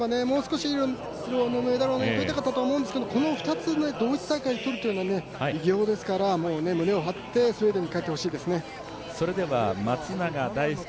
もう少しいい色のメダルを取りたかったと思うんですけどこの２つを同一大会で取るというのは偉業ですから胸を張って、スウェーデンに帰ってほしいですね。